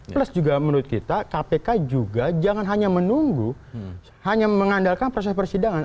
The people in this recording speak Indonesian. plus juga menurut kita kpk juga jangan hanya menunggu hanya mengandalkan proses persidangan